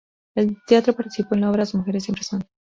En teatro participó en la obra "Las mujeres siempre son".